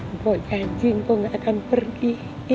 mpau janji mpau gak akan pergi